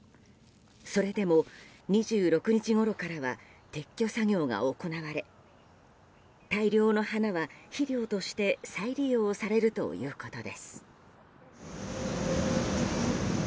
それでも２６日ごろからは撤去作業が行われ大量の花は肥料として再利用されるということです。